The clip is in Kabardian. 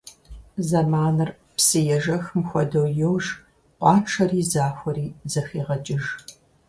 Заманыр псы ежэхым хуэдэу йож, къуэншари захуэри зэхегъэкӏыж.